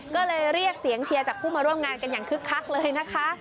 ก็เลยเรียกเสียงเชียร์จากผู้มาร่วมงานกันอย่างคึกคักเลยนะคะ